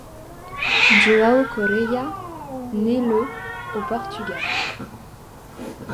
João Correia naît le au Portugal.